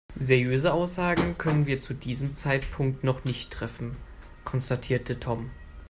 Seriöse Aussagen können wir zu diesem Zeitpunkt noch nicht treffen, konstatierte Tom.